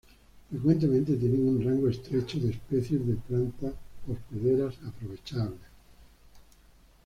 Frecuentemente tienen un rango estrecho de especies de plantas hospederas aprovechables.